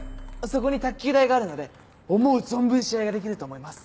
そこに卓球台があるので思う存分試合ができると思います。